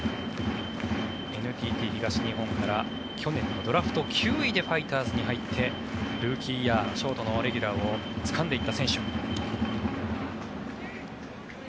ＮＴＴ東日本から去年のドラフト９位からファイターズに入ってルーキーイヤーショートのレギュラーをつかんでいった選手。